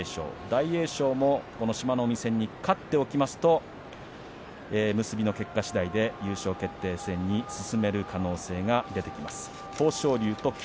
大栄翔も志摩ノ海戦に勝っておきますと結びの結果しだいで優勝決定戦に進める可能性が出てきます。